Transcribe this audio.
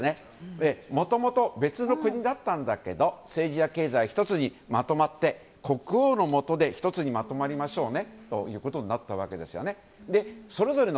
もともと別の国だったんだけど政治や経済、１つにまとまって国王のもとで１つにまとまりましょうねということになったわけですね。